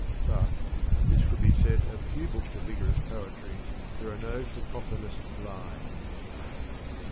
But, and this could be said of few books of vigorous poetry, there are no cacophonous lines.